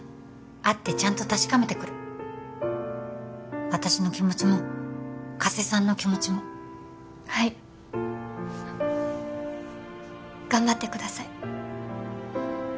会ってちゃんと確かめてくる私の気持ちも加瀬さんの気持ちもはい頑張ってください